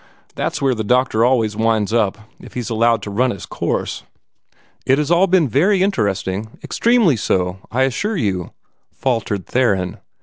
That's where the doctor always winds up, if he's allowed to run his course." "It has all been very interesting, extremely so, I assure you," faltered Theron.